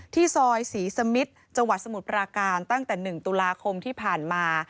ซอยศรีสมิทจังหวัดสมุทรปราการตั้งแต่๑ตุลาคมที่ผ่านมา